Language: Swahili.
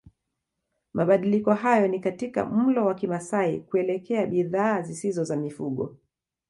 Mabadiliko hayo ni katika mlo wa Kimasai kuelekea bidhaa zisizo za mifugo